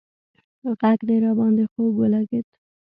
غږ دې راباندې خوږ ولگېد